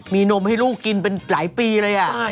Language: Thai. มีนมให้ลูกกินเป็นหลายปีเลย